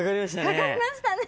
かかりましたね。